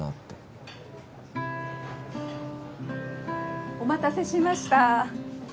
・お待たせしました